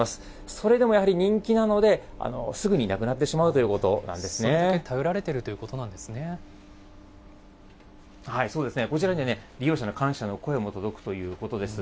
それでもやはり人気なので、すぐになくなってしまうということなそれだけ頼られているというそうですね、こちらには、利用者の感謝の声も届くということです。